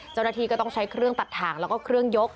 เจ้าหน้าที่ก็ต้องใช้เครื่องตัดถ่างแล้วก็เครื่องยก